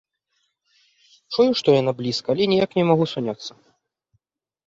Чую, што яна блізка, але ніяк не магу суняцца.